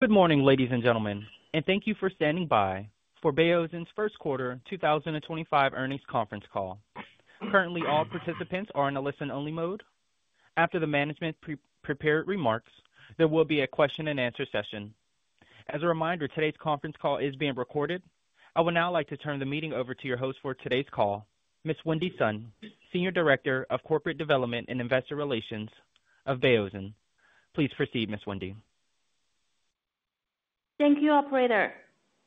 Good morning, ladies and gentlemen, and thank you for standing by for Baozun's first quarter 2025 earnings conference call. Currently, all participants are in a listen-only mode. After the management prepares remarks, there will be a question-and-answer session. As a reminder, today's conference call is being recorded. I would now like to turn the meeting over to your host for today's call, Ms. Wendy Sun, Senior Director of Corporate Development and Investor Relations of Baozun. Please proceed, Ms. Wendy. Thank you, Operator.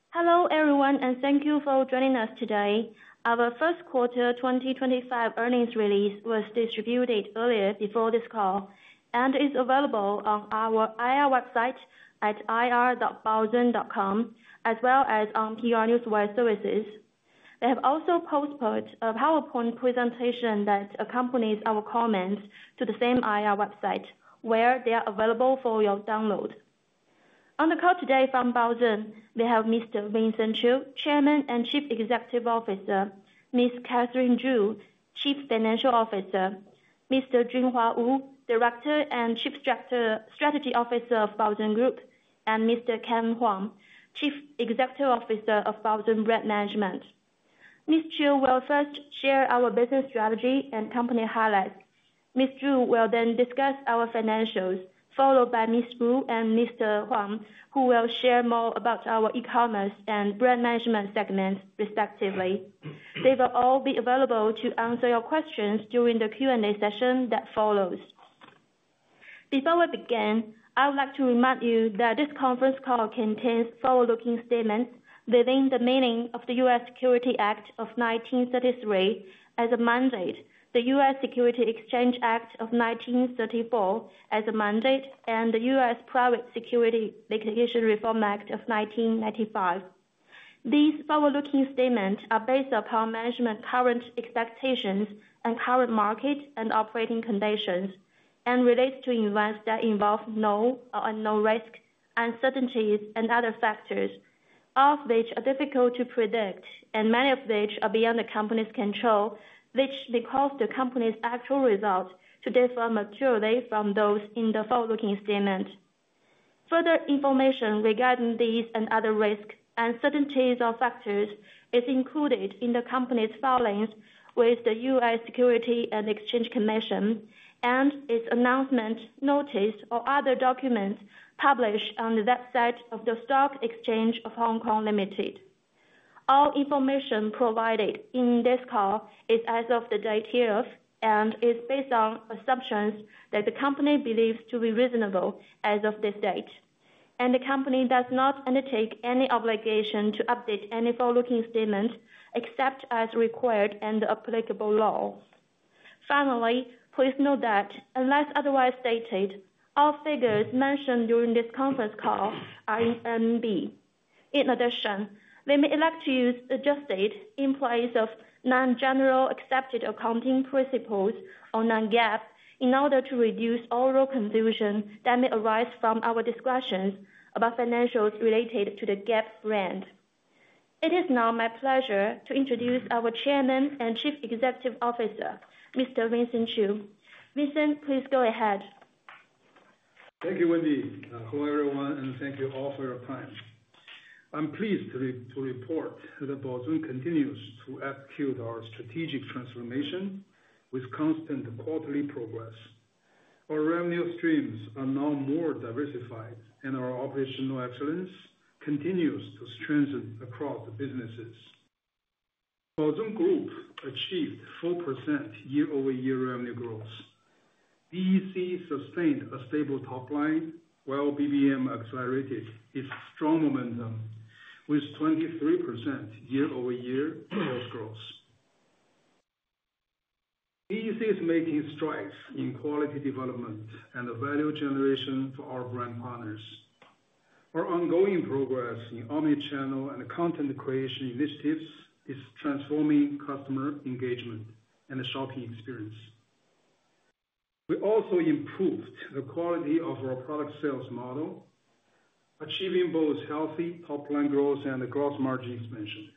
Hello, everyone, and thank you for joining us today. Our first quarter 2025 earnings release was distributed earlier before this call and is available on our IR website at ir.baozun.com, as well as on PR Newswire Services. We have also posted a PowerPoint presentation that accompanies our comments to the same IR website, where they are available for your download. On the call today from Baozun, we have Mr. Vincent Qiu, Chairman and Chief Executive Officer; Ms. Catherine Zhu, Chief Financial Officer; Mr. Junhua Wu, Director and Chief Strategy Officer of Baozun Group; and Mr. Ken Huang, Chief Executive Officer of Baozun Brand Management. Mr. Qiu will first share our business strategy and company highlights. Ms. Zhu will then discuss our financials, followed by Mr. Wu and Mr. Huang, who will share more about our e-commerce and brand management segments, respectively. They will all be available to answer your questions during the Q&A session that follows. Before we begin, I would like to remind you that this conference call contains forward-looking statements within the meaning of the U.S. Securities Act of 1933 as a mandate, the U.S. Securities Exchange Act of 1934 as a mandate, and the U.S. Private Securities Regulation Reform Act of 1995. These forward-looking statements are based upon management's current expectations and current market and operating conditions, and relate to events that involve known or unknown risks, uncertainties, and other factors Securities and Exchange Commission and its announcement, notice, or other documents published on the website of the Stock Exchange of Hong Kong, Limited. All information provided in this call is as of the date here and is based on assumptions that the company believes to be reasonable as of this date, and the company does not undertake any obligation to update any forward-looking statement except as required in the applicable law. Finally, please note that, unless otherwise stated, all figures mentioned during this conference call are in RMB. In addition, we may elect to use adjusted in place of non-generally accepted accounting principles or non-GAAP in order to reduce all raw confusion that may arise from our discussions about financials related to the Gap brand. It is now my pleasure to introduce our Chairman and Chief Executive Officer, Mr. Vincent Qiu. Vincent, please go ahead. Thank you, Wendy. Hello, everyone, and thank you all for your time. I'm pleased to report that Baozun continues to execute our strategic transformation with constant quarterly progress. Our revenue streams are now more diversified, and our operational excellence continues to strengthen across the businesses. Baozun Group achieved 4% year-over-year revenue growth. BEC sustained a stable top line while BBM accelerated its strong momentum with 23% year-over-year sales growth. BEC is making strides in quality development and value generation for our brand partners. Our ongoing progress in omnichannel and content creation initiatives is transforming customer engagement and the shopping experience. We also improved the quality of our product sales model, achieving both healthy top-line growth and gross margin expansion.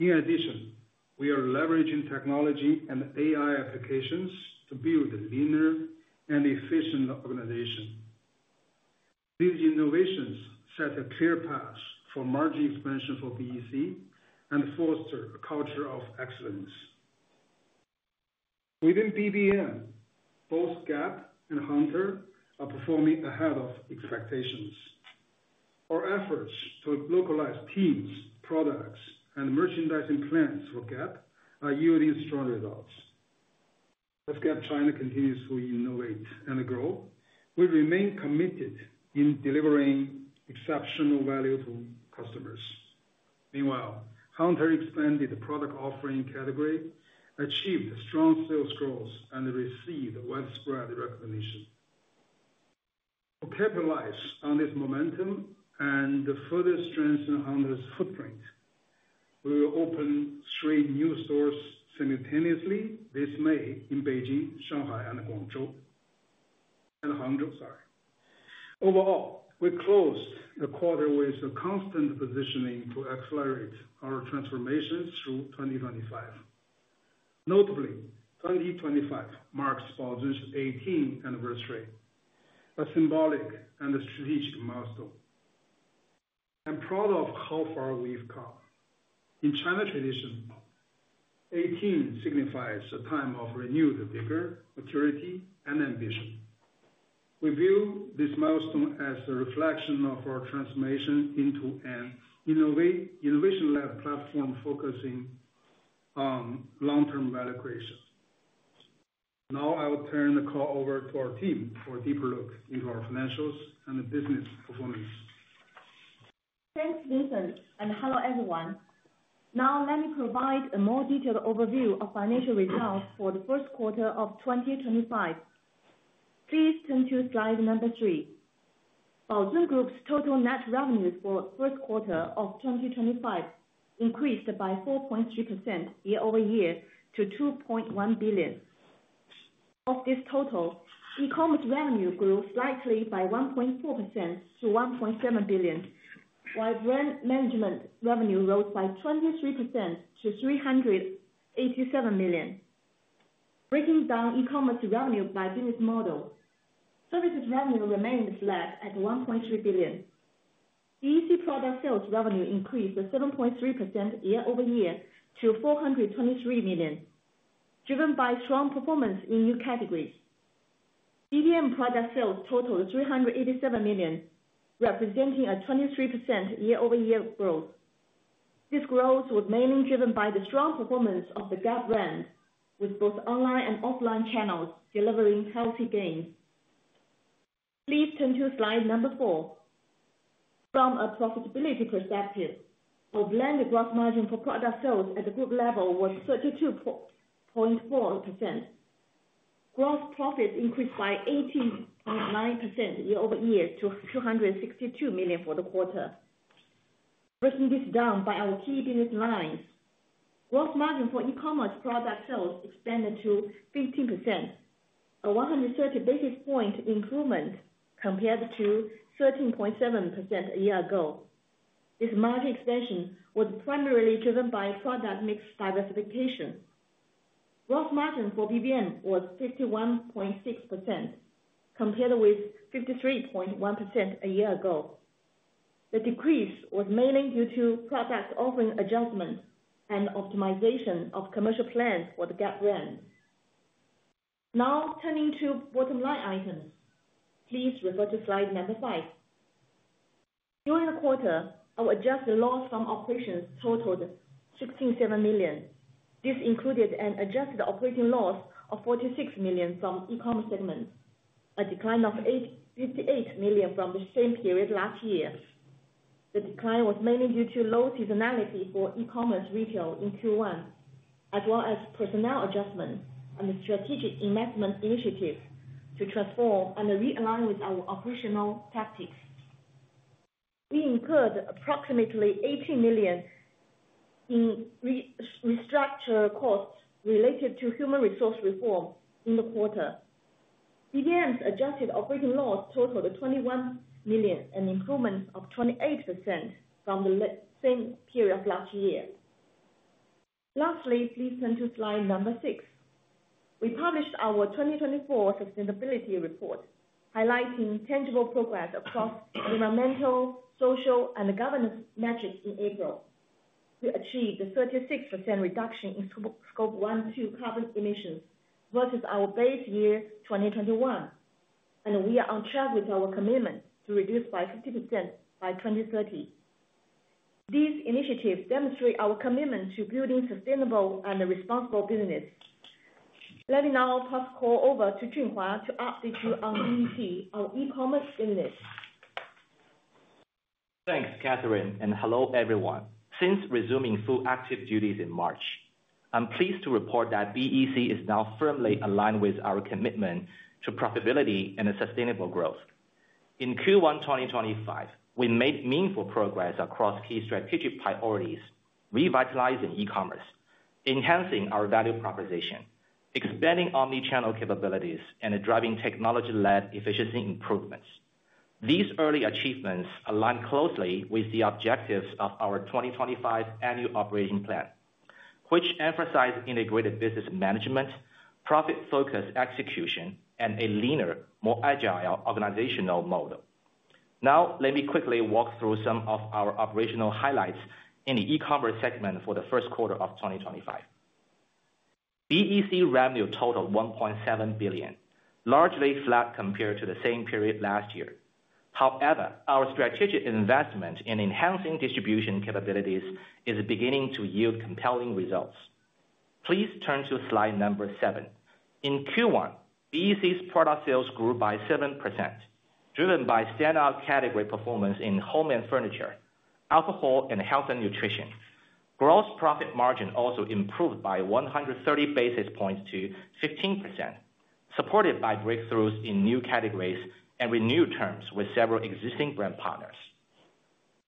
In addition, we are leveraging technology and AI applications to build a leaner and efficient organization. These innovations set a clear path for margin expansion for BEC and foster a culture of excellence. Within BBM, both Gap and Hunter are performing ahead of expectations. Our efforts to localize teams, products, and merchandising plans for Gap are yielding strong results. As Gap China continues to innovate and grow, we remain committed in delivering exceptional value to customers. Meanwhile, Hunter expanded the product offering category, achieved strong sales growth, and received widespread recognition. To capitalize on this momentum and further strengthen Hunter's footprint, we will open three new stores simultaneously this May in Beijing, Shanghai, and Guangzhou. Overall, we closed the quarter with a constant positioning to accelerate our transformations through 2025. Notably, 2025 marks Baozun's 18th anniversary, a symbolic and a strategic milestone. I'm proud of how far we've come. In China tradition, 18 signifies a time of renewed vigor, maturity, and ambition. We view this milestone as a reflection of our transformation into an innovation-led platform focusing on long-term value creation. Now, I will turn the call over to our team for a deeper look into our financials and the business performance. Thanks, Vincent, and hello, everyone. Now, let me provide a more detailed overview of financial results for the first quarter of 2025. Please turn to slide number three. Baozun Group's total net revenues for the first quarter of 2025 increased by 4.3% year-over-year to 2.1 billion. Of this total, e-commerce revenue grew slightly by 1.4% to 1.7 billion, while brand management revenue rose by 23% to 387 million. Breaking down e-commerce revenue by business model, services revenue remained flat at 1.3 billion. BEC product sales revenue increased 7.3% year-over-year to 423 million, driven by strong performance in new categories. BBM product sales totaled 387 million, representing a 23% year-over-year growth. This growth was mainly driven by the strong performance of the Gap brand, with both online and offline channels delivering healthy gains. Please turn to slide number four. From a profitability perspective, our blended gross margin for product sales at the group level was 32.4%. Gross profits increased by 18.9% year-over-year to 262 million for the quarter. Breaking this down by our key business lines, gross margin for e-commerce product sales expanded to 15%, a 130 basis point improvement compared to 13.7% a year ago. This margin expansion was primarily driven by product mix diversification. Gross margin for BBM was 51.6%, compared with 53.1% a year ago. The decrease was mainly due to product offering adjustment and optimization of commercial plans for the Gap brand. Now, turning to bottom-line items, please refer to slide number five. During the quarter, our adjusted loss from operations totaled 67 million. This included an adjusted operating loss of 46 million from e-commerce segment, a decline of 58 million from the same period last year. The decline was mainly due to low seasonality for e-commerce retail in Q1, as well as personnel adjustments and the strategic investment initiative to transform and realign with our operational tactics. We incurred approximately 18 million in restructuring costs related to human resource reform in the quarter. BBM's adjusted operating loss totaled 21 million, an improvement of 28% from the same period of last year. Lastly, please turn to slide number six. We published our 2024 sustainability report, highlighting tangible progress across environmental, social, and governance metrics in April. We achieved a 36% reduction in scope one to carbon emissions versus our base year 2021, and we are on track with our commitment to reduce by 50% by 2030. These initiatives demonstrate our commitment to building sustainable and responsible business. Let me now pass the call over to Junhua to update you on BEC, our e-commerce business. Thanks, Catherine, and hello, everyone. Since resuming full active duties in March, I'm pleased to report that BEC is now firmly aligned with our commitment to profitability and sustainable growth. In Q1 2025, we made meaningful progress across key strategic priorities, revitalizing e-commerce, enhancing our value proposition, expanding omnichannel capabilities, and driving technology-led efficiency improvements. These early achievements align closely with the objectives of our 2025 annual operating plan, which emphasized integrated business management, profit-focused execution, and a leaner, more agile organizational model. Now, let me quickly walk through some of our operational highlights in the e-commerce segment for the first quarter of 2025. BEC revenue totaled 1.7 billion, largely flat compared to the same period last year. However, our strategic investment in enhancing distribution capabilities is beginning to yield compelling results. Please turn to slide number seven. In Q1, BEC's product sales grew by 7%, driven by standout category performance in home and furniture, alcohol, and health and nutrition. Gross profit margin also improved by 130 basis points to 15%, supported by breakthroughs in new categories and renewed terms with several existing brand partners.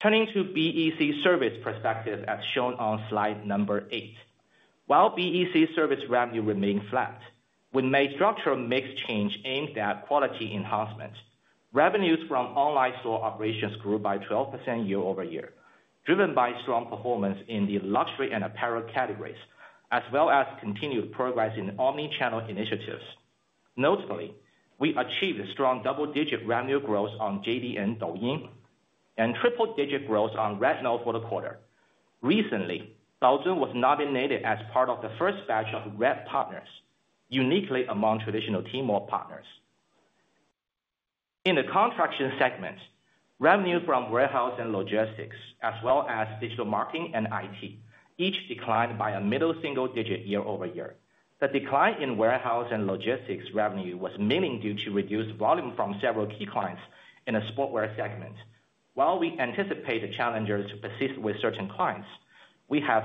Turning to BEC service perspective, as shown on slide number eight, while BEC service revenue remained flat, we made structural mix change aimed at quality enhancement. Revenues from online store operations grew by 12% year-over-year, driven by strong performance in the luxury and apparel categories, as well as continued progress in omnichannel initiatives. Notably, we achieved strong double-digit revenue growth on JD.com and Douyin, and triple-digit growth on RedNote for the quarter. Recently, Baozun was nominated as part of the first batch of RED partners, uniquely among traditional Tmall Partners. In the contraction segment, revenue from warehouse and logistics, as well as digital marketing and IT, each declined by a middle single-digit year-over-year. The decline in warehouse and logistics revenue was mainly due to reduced volume from several key clients in the sportwear segment. While we anticipate the challenges to persist with certain clients, we have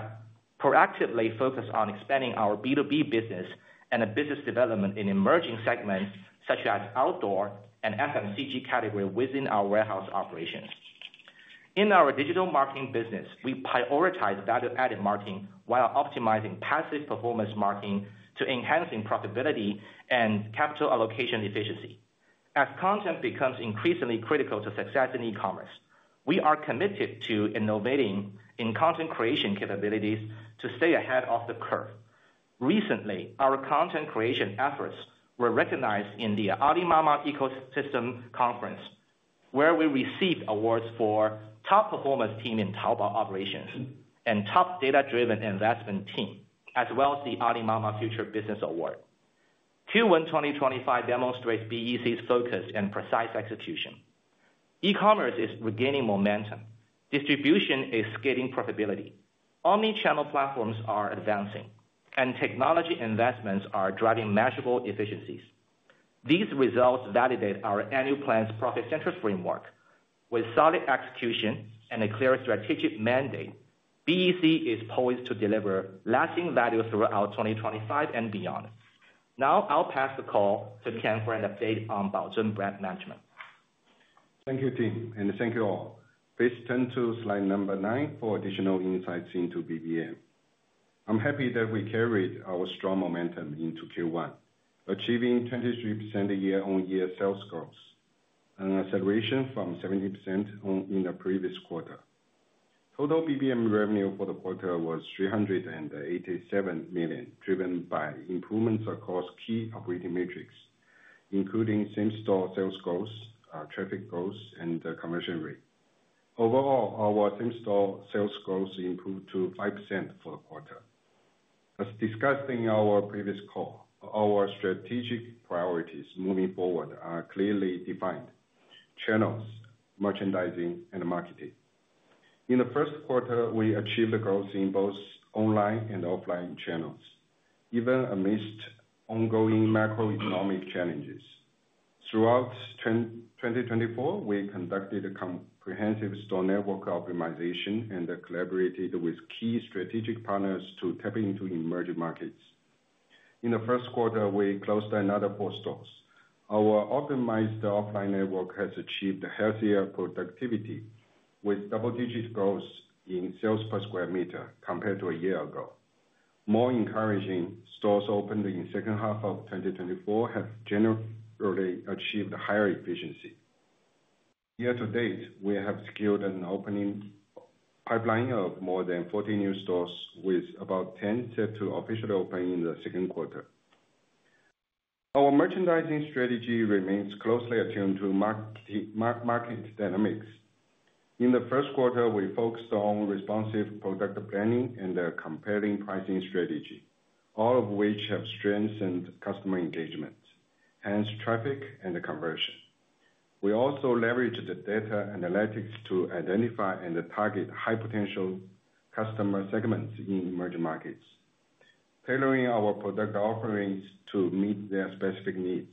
proactively focused on expanding our B2B business and business development in emerging segments such as outdoor and FMCG category within our warehouse operations. In our digital marketing business, we prioritize value-added marketing while optimizing passive performance marketing to enhancing profitability and capital allocation efficiency. As content becomes increasingly critical to success in e-commerce, we are committed to innovating in content creation capabilities to stay ahead of the curve. Recently, our content creation efforts were recognized in the Alimama Ecosystem Conference, where we received awards for top performance team in Taobao operations and top data-driven investment team, as well as the Alimama Future Business Award. Q1 2025 demonstrates BEC's focus and precise execution. E-commerce is regaining momentum. Distribution is scaling profitability. Omnichannel platforms are advancing, and technology investments are driving measurable efficiencies. These results validate our annual plan's profit-centric framework. With solid execution and a clear strategic mandate, BEC is poised to deliver lasting value throughout 2025 and beyond. Now, I'll pass the call to Ken for an update on Baozun Brand Management. Thank you, team, and thank you all. Please turn to slide number nine for additional insights into BBM. I'm happy that we carried our strong momentum into Q1, achieving 23% year-on-year sales growth and acceleration from 17% in the previous quarter. Total BBM revenue for the quarter was 387 million, driven by improvements across key operating metrics, including same-store sales growth, traffic growth, and conversion rate. Overall, our same-store sales growth improved to 5% for the quarter. As discussed in our previous call, our strategic priorities moving forward are clearly defined: channels, merchandising, and marketing. In the first quarter, we achieved growth in both online and offline channels, even amidst ongoing macroeconomic challenges. Throughout 2024, we conducted a comprehensive store network optimization and collaborated with key strategic partners to tap into emerging markets. In the first quarter, we closed another four stores. Our optimized offline network has achieved healthier productivity with double-digit growth in sales per square meter compared to a year ago. More encouraging, stores opened in the second half of 2024 have generally achieved higher efficiency. Year to date, we have secured an opening pipeline of more than 40 new stores with about 10 set to officially open in the second quarter. Our merchandising strategy remains closely attuned to market dynamics. In the first quarter, we focused on responsive product planning and a compelling pricing strategy, all of which have strengthened customer engagement, hence traffic and conversion. We also leveraged data analytics to identify and target high-potential customer segments in emerging markets, tailoring our product offerings to meet their specific needs.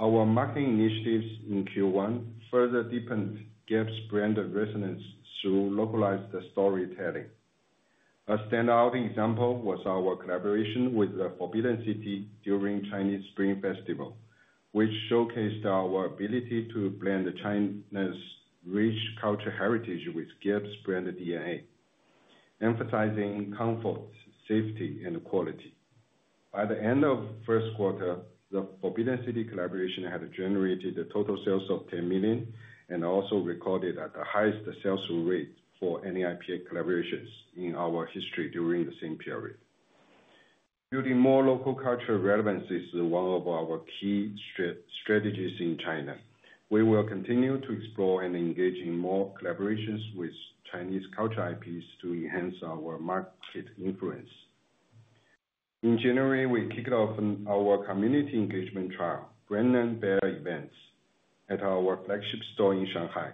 Our marketing initiatives in Q1 further deepened Gap's brand resonance through localized storytelling. A standout example was our collaboration with the Forbidden City during Chinese Spring Festival, which showcased our ability to blend China's rich cultural heritage with Gap's brand DNA, emphasizing comfort, safety, and quality. By the end of the first quarter, the Forbidden City collaboration had generated a total sales of 10 million and also recorded at the highest sales rate for any IP collaborations in our history during the same period. Building more local cultural relevance is one of our key strategies in China. We will continue to explore and engage in more collaborations with Chinese culture IPs to enhance our market influence. In January, we kicked off our community engagement trial, Brand and Bear Events, at our flagship store in Shanghai.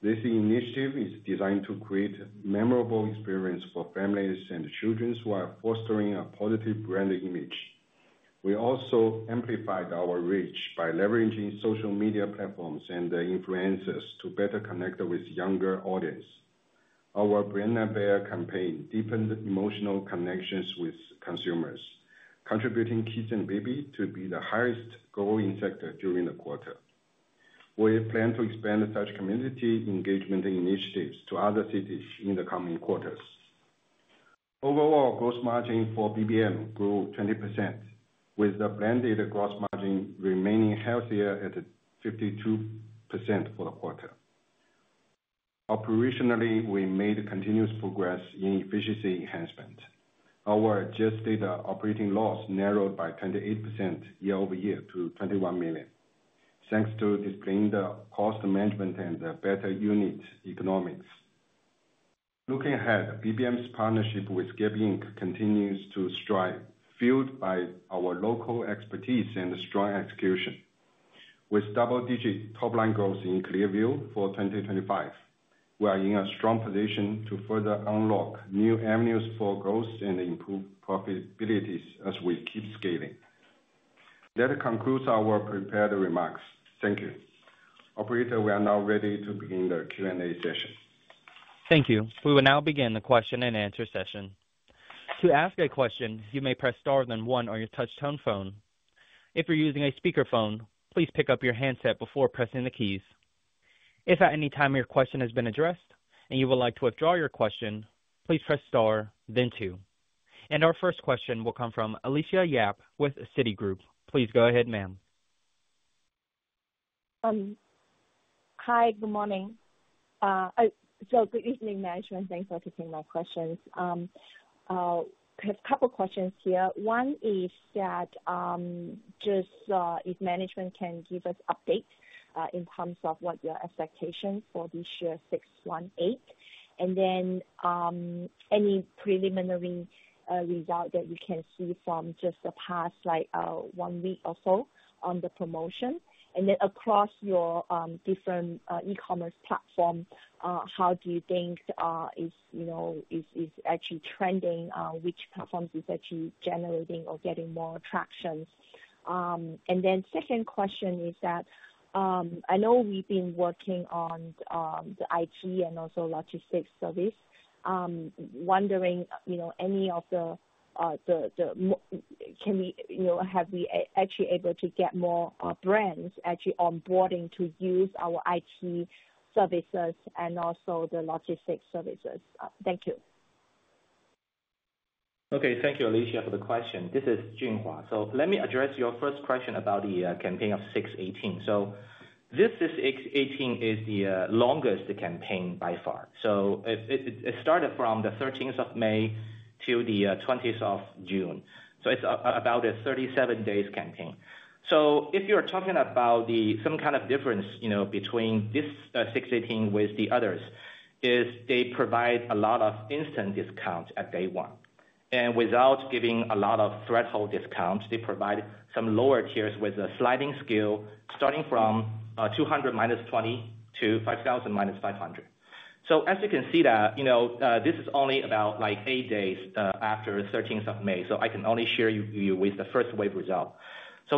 This initiative is designed to create a memorable experience for families and children while fostering a positive brand image. We also amplified our reach by leveraging social media platforms and influencers to better connect with younger audiences. Our Brand and Bear campaign deepened emotional connections with consumers, contributing Kids & Baby to be the highest growing sector during the quarter. We plan to expand such community engagement initiatives to other cities in the coming quarters. Overall, gross margin for BBM grew 20%, with the blended gross margin remaining healthier at 52% for the quarter. Operationally, we made continuous progress in efficiency enhancement. Our adjusted operating loss narrowed by 28% year-over-year to 21 million, thanks to displaying the cost management and better unit economics. Looking ahead, BBM's partnership with Gap Inc. continues to strive, fueled by our local expertise and strong execution. With double-digit top-line growth in Clearview for 2025, we are in a strong position to further unlock new avenues for growth and improve profitability as we keep scaling. That concludes our prepared remarks. Thank you. Operator, we are now ready to begin the Q&A session. Thank you. We will now begin the question-and-answer session. To ask a question, you may press star then one on your touch-tone phone. If you're using a speakerphone, please pick up your handset before pressing the keys. If at any time your question has been addressed and you would like to withdraw your question, please press star, then two. Our first question will come from Alicia Yap with Citigroup. Please go ahead, ma'am. Hi, good morning. Good evening, management. Thanks for taking my questions. I have a couple of questions here. One is that just if management can give us updates in terms of what your expectations for this year 618, and then any preliminary result that you can see from just the past one week or so on the promotion, and then across your different e-commerce platform, how do you think it's actually trending, which platforms it's actually generating or getting more traction? Second question is that I know we've been working on the IT and also logistics service. Wondering any of the can we have we actually able to get more brands actually onboarding to use our IT services and also the logistics services? Thank you. Okay. Thank you, Alicia, for the question. This is Junhua. Let me address your first question about the campaign of 618. This 618 is the longest campaign by far. It started from the 13th of May to the 20th of June. It's about a 37-day campaign. If you're talking about some kind of difference between this 618 with the others, they provide a lot of instant discounts at day one. Without giving a lot of threshold discounts, they provide some lower tiers with a sliding scale starting from 200 - 20 to 5,000 - 500. As you can see, this is only about eight days after the 13th of May. I can only share you with the first wave result.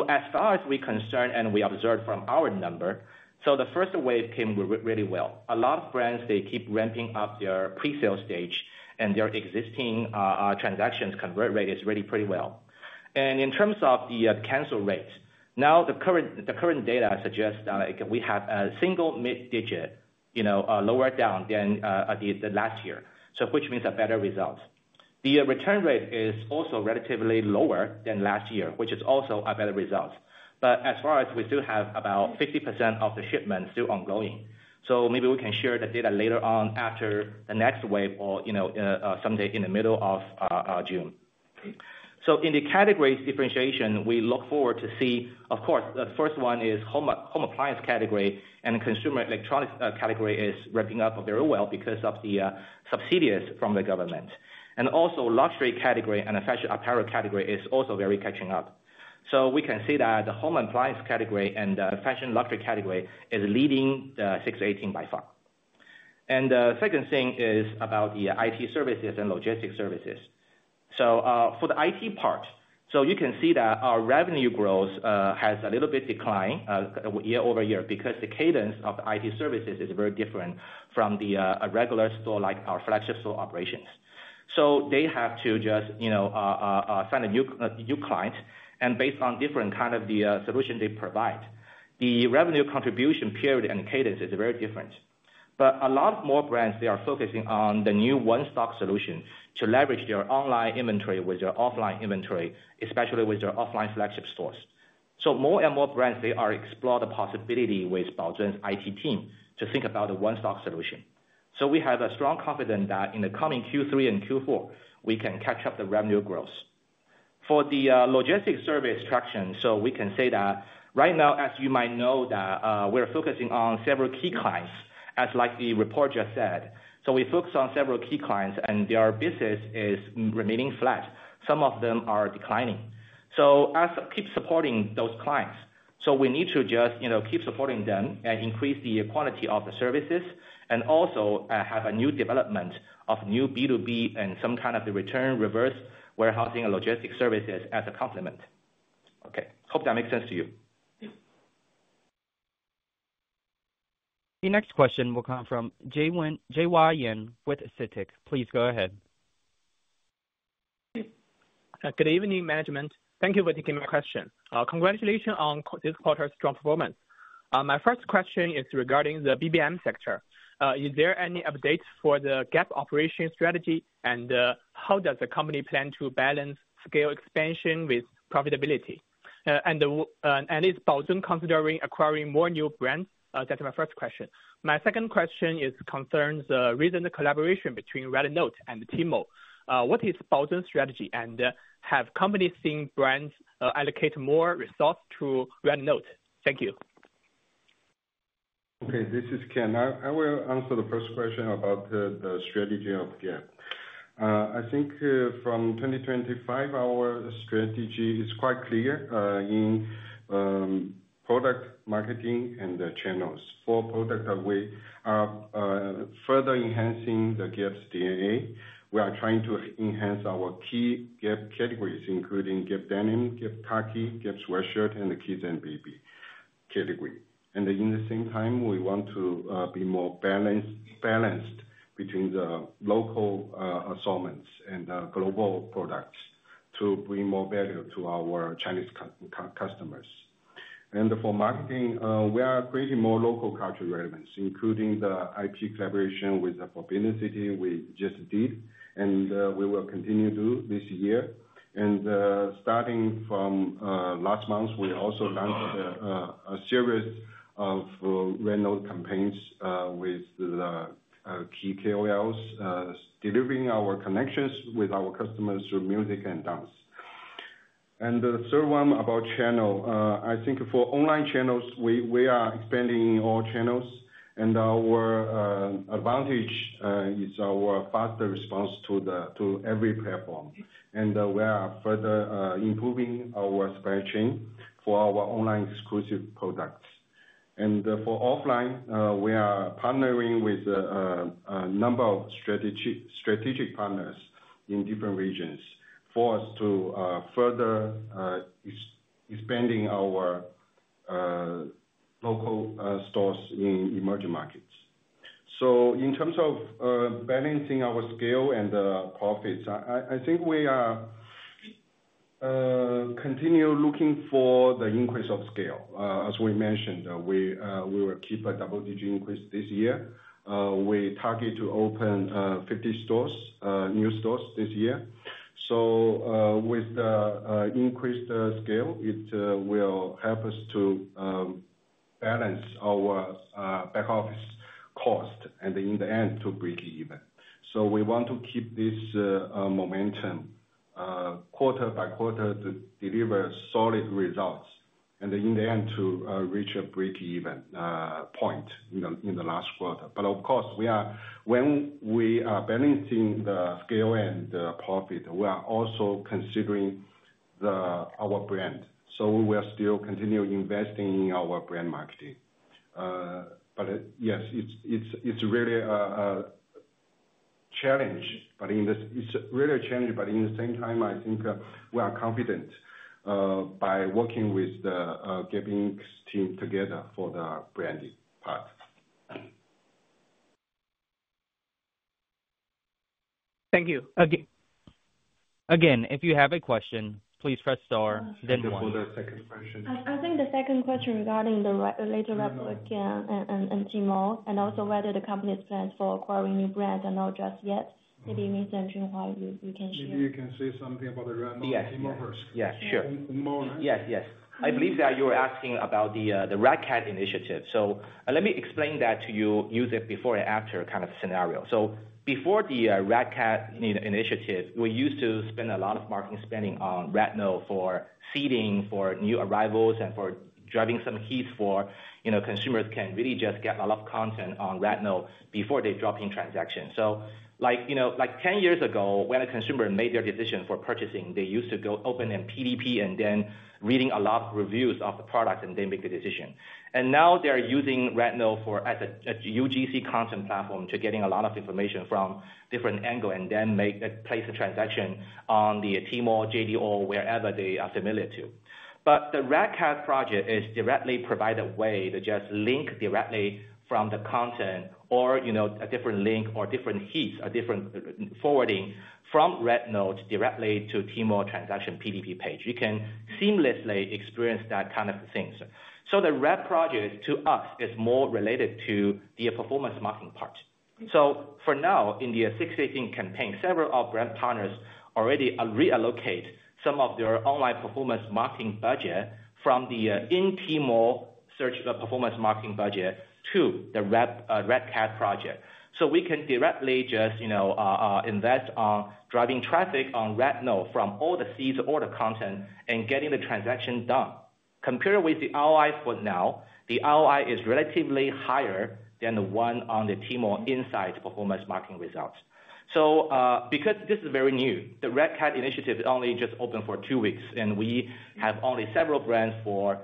As far as we're concerned and we observed from our number, the first wave came really well. A lot of brands, they keep ramping up their presale stage, and their existing transactions convert rate is really pretty well. In terms of the cancel rate, now the current data suggests we have a single mid-digit lower down than the last year, which means a better result. The return rate is also relatively lower than last year, which is also a better result. As far as we still have about 50% of the shipment still ongoing, maybe we can share the data later on after the next wave or someday in the middle of June. In the categories differentiation, we look forward to see, of course, the first one is home appliance category, and consumer electronics category is ramping up very well because of the subsidies from the government. Also, luxury category and fashion apparel category is also very catching up. We can see that the home appliance category and the fashion luxury category is leading the 618 by far. The second thing is about the IT services and logistics services. For the IT part, you can see that our revenue growth has a little bit declined year-over-year because the cadence of the IT services is very different from the regular store like our flagship store operations. They have to just sign a new client. Based on different kind of the solution they provide, the revenue contribution period and cadence is very different. A lot more brands are focusing on the new one-stock solution to leverage their online inventory with their offline inventory, especially with their offline flagship stores. More and more brands are exploring the possibility with Baozun's IT team to think about a one-stock solution. We have a strong confidence that in the coming Q3 and Q4, we can catch up the revenue growth. For the logistics service traction, we can say that right now, as you might know, we're focusing on several key clients, as like the reporter just said. We focus on several key clients, and their business is remaining flat. Some of them are declining. Keep supporting those clients. We need to just keep supporting them and increase the quality of the services and also have a new development of new B2B and some kind of the return reverse warehousing and logistics services as a complement. Okay. Hope that makes sense to you. The next question will come from Jay Yuen with Citic. Please go ahead. Good evening, management. Thank you for taking my question. Congratulations on this quarter's strong performance. My first question is regarding the BBM sector. Is there any updates for the Gap operation strategy, and how does the company plan to balance scale expansion with profitability? Is Baozun considering acquiring more new brands? That's my first question. My second question concerns the recent collaboration between RedNote and Tmall. What is Baozun's strategy, and have companies seen brands allocate more resources to RedNote? Thank you. Okay. This is Ken. I will answer the first question about the strategy of Gap. I think from 2025, our strategy is quite clear in product marketing and channels. For product, we are further enhancing the Gap's DNA. We are trying to enhance our key Gap categories, including Gap Denim, Gap Khaki, Gap Sweatshirt, and the Kids & Baby category. At the same time, we want to be more balanced between the local assortments and global products to bring more value to our Chinese customers. For marketing, we are creating more local culture relevance, including the IP collaboration with the Forbidden City, we just did, and we will continue to do this year. Starting from last month, we also launched a series of RedNote campaigns with the key KOLs, delivering our connections with our customers through music and dance. The third one about channel, I think for online channels, we are expanding all channels, and our advantage is our faster response to every platform. We are further improving our supply chain for our online exclusive products. For offline, we are partnering with a number of strategic partners in different regions for us to further expand our local stores in emerging markets. In terms of balancing our scale and profits, I think we continue looking for the increase of scale. As we mentioned, we will keep a double-digit increase this year. We target to open 50 new stores this year. With the increased scale, it will help us to balance our back office cost and in the end, to break even. We want to keep this momentum quarter by quarter to deliver solid results and in the end to reach a break-even point in the last quarter. Of course, when we are balancing the scale and the profit, we are also considering our brand. We will still continue investing in our brand marketing. Yes, it's really a challenge, but in the same time, I think we are confident by working with the Gap Inc. team together for the branding part. Thank you. Again, if you have a question, please press star, then one. I think for the second question. I think the second question regarding the later level again and Tmall and also whether the company's plans for acquiring new brands are not just yet. Maybe Mr. Junhua, you can share. Maybe you can say something about the RedNote and Tmall first. Yes. Sure. Yes. Yes. I believe that you were asking about the Red Cat Initiative. Let me explain that to you, use it before and after kind of scenario. Before the Red Cat Initiative, we used to spend a lot of marketing spending on RedNote for seeding, for new arrivals, and for driving some keys for consumers can really just get a lot of content on RedNote before they drop in transactions. Like 10 years ago, when a consumer made their decision for purchasing, they used to go open in PDP and then reading a lot of reviews of the product and then make the decision. Now they're using RedNote as a UGC content platform to getting a lot of information from different angles and then place a transaction on the Tmall, JD.com, wherever they are familiar to. The Red Cat project is directly provided way to just link directly from the content or a different link or different keys or different forwarding from RednNote directly to Tmall transaction PDP page. You can seamlessly experience that kind of things. The Red project to us is more related to the performance marketing part. For now, in the 618 Campaign, several of our brand partners already relocate some of their online performance marketing budget from the in-Tmall search performance marketing budget to the Red Cat project. We can directly just invest on driving traffic on RedNote from all the seeds or the content and getting the transaction done. Compared with the ROI for now, the ROI is relatively higher than the one on the Tmall inside performance marketing results. Because this is very new, the Red Cat Initiative is only just open for two weeks, and we have only several brands for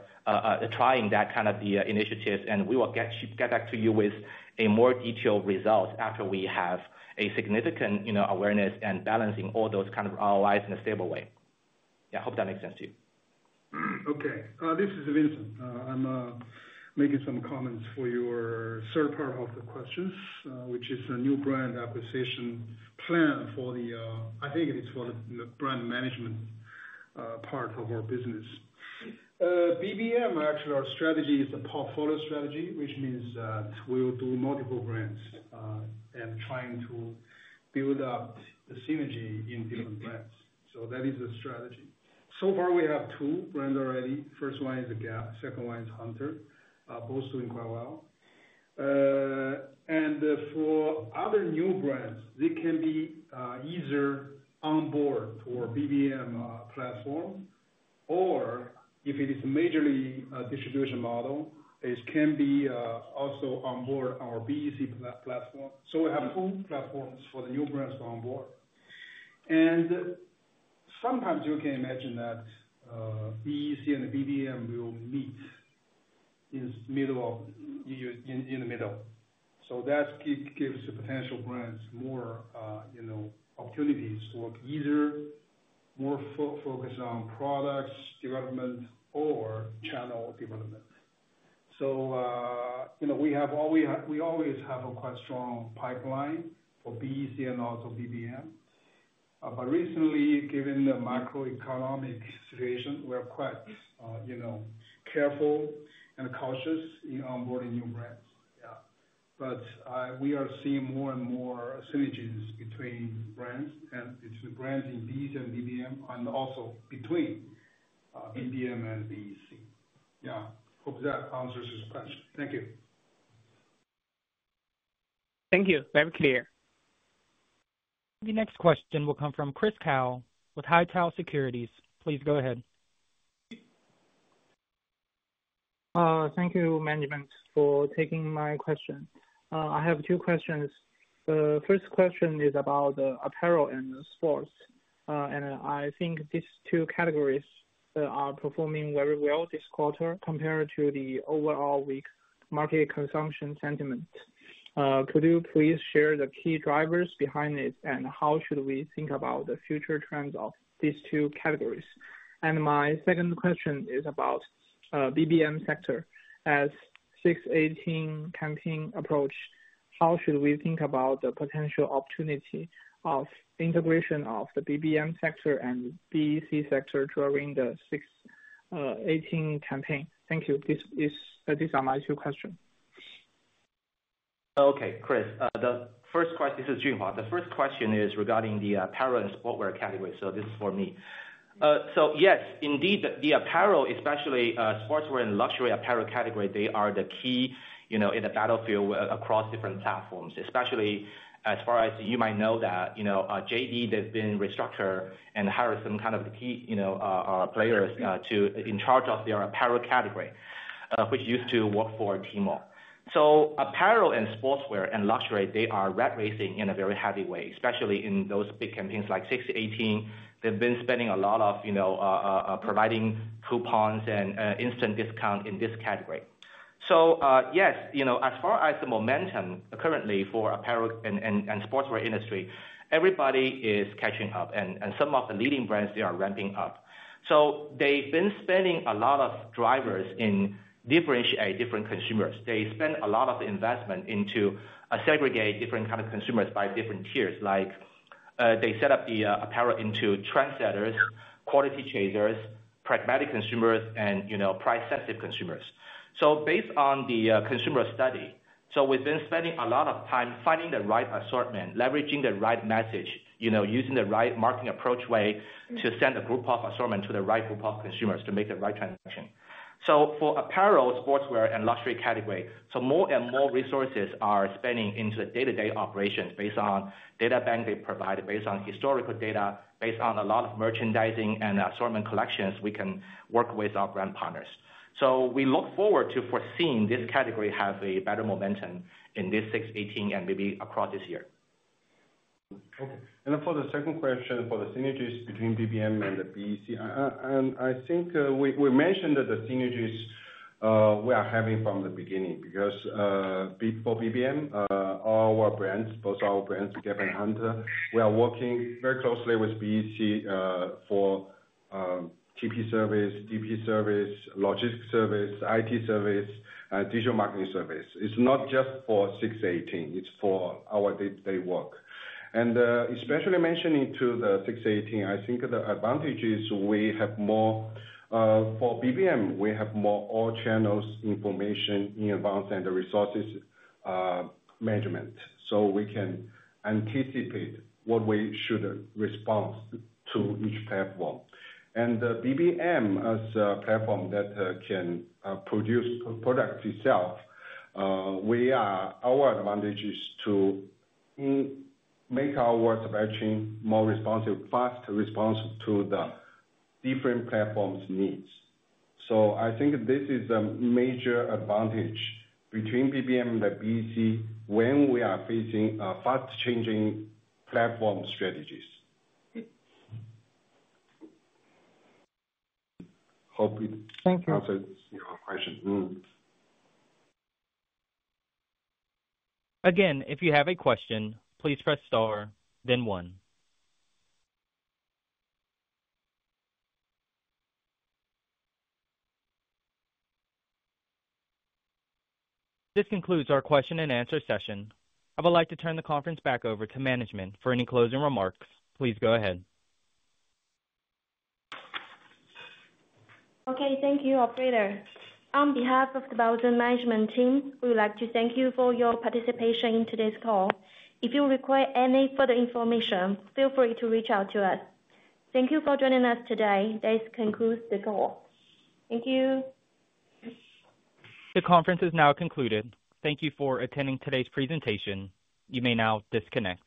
trying that kind of initiatives. We will get back to you with a more detailed result after we have a significant awareness and balancing all those kind of ROIs in a stable way. Yeah, hope that makes sense to you. Okay. This is Vincent. I'm making some comments for your third part of the questions, which is a new brand acquisition plan for the, I think it is for the brand management part of our business. BBM, actually, our strategy is a portfolio strategy, which means we'll do multiple brands and trying to build up the synergy in different brands. That is the strategy. So far, we have two brands already. First one is Gap. Second one is Hunter. Both doing quite well. For other new brands, they can be easier onboard to our BBM platform. If it is a majorly distribution model, it can be also onboard our BEC platform. We have two platforms for the new brands to onboard. Sometimes you can imagine that BEC and BBM will meet in the middle. That gives the potential brands more opportunities to work easier, more focused on product development or channel development. We always have a quite strong pipeline for BEC and also BBM. Recently, given the macroeconomic situation, we are quite careful and cautious in onboarding new brands. Yeah. We are seeing more and more synergies between brands and between brands in BEC and BBM and also between BBM and BEC. Yeah. Hope that answers your question. Thank you. Thank you. Very clear. The next question will come from Chris Kao with Haitong Securities. Please go ahead. Thank you, management, for taking my question. I have two questions. The first question is about apparel and sports. I think these two categories are performing very well this quarter compared to the overall weak market consumption sentiment. Could you please share the key drivers behind it, and how should we think about the future trends of these two categories? My second question is about the BBM sector. As the 618 Campaign approached, how should we think about the potential opportunity of integration of the BBM sector and BEC sector during the 618 Campaign? Thank you. These are my two questions. Okay, Chris. The first question is Junhua. The first question is regarding the apparel and sportswear category. So this is for me. Yes, indeed, the apparel, especially sportswear and luxury apparel category, they are the key in the battlefield across different platforms, especially as far as you might know that JD, they've been restructured and hired some kind of key players in charge of their apparel category, which used to work for Tmall. Apparel and sportswear and luxury, they are rat-racing in a very heavy way, especially in those big campaigns like 618. They've been spending a lot on providing coupons and instant discounts in this category. Yes, as far as the momentum currently for apparel and sportswear industry, everybody is catching up. Some of the leading brands, they are ramping up. They've been spending a lot of drivers in differentiating different consumers. They spend a lot of investment into segregating different kinds of consumers by different tiers. Like they set up the apparel into trendsetters, quality chasers, pragmatic consumers, and price-sensitive consumers. Based on the consumer study, we've been spending a lot of time finding the right assortment, leveraging the right message, using the right marketing approach way to send a group of assortment to the right group of consumers to make the right transaction. For apparel, sportswear, and luxury category, more and more resources are spending into the day-to-day operations based on data bank they provide, based on historical data, based on a lot of merchandising and assortment collections we can work with our brand partners. We look forward to foreseeing this category have a better momentum in this 618 and maybe across this year. Okay. For the second question, for the synergies between BBM and the BEC, I think we mentioned that the synergies we are having from the beginning because for BBM, all our brands, both our brands, Gap and Hunter, we are working very closely with BEC for TP service, DP service, logistics service, IT service, and digital marketing service. It is not just for 618. It is for our day-to-day work. Especially mentioning the 618, I think the advantage is we have more for BBM, we have more all channels information in advance and the resources management. We can anticipate what we should respond to each platform. BBM as a platform that can produce products itself, our advantage is to make our supply chain more responsive, fast response to the different platforms' needs. I think this is a major advantage between BBM and the BEC when we are facing fast-changing platform strategies. Hope. Thank you. Answer your question. Again, if you have a question, please press star, then one. This concludes our question and answer session. I would like to turn the conference back over to management for any closing remarks. Please go ahead. Okay. Thank you, operator. On behalf of the Baozun Management Team, we would like to thank you for your participation in today's call. If you require any further information, feel free to reach out to us. Thank you for joining us today. This concludes the call. Thank you. The conference is now concluded. Thank you for attending today's presentation. You may now disconnect.